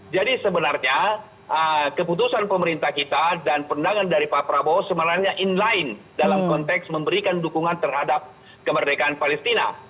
jadi sebenarnya keputusan pemerintah kita dan pandangan dari pak prabowo sebenarnya in line dalam konteks memberikan dukungan terhadap kemerdekaan palestina